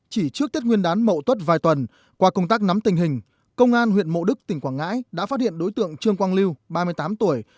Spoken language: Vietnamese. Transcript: chỉ trước tết nguyên đán mậu tuất vài tuần qua công tác nắm tình hình công an huyện mộ đức tỉnh quảng ngãi đã phát hiện đối tượng trương quang lưu ba mươi tám tuổi